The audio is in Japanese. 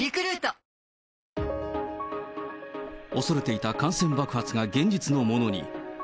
恐れていた感染爆発が現実のものに。